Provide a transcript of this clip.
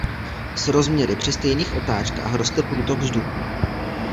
S rozměry při stejných otáčkách roste průtok vzduchu.